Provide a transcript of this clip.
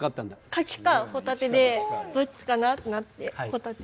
カキかホタテでどっちかなってなってホタテ。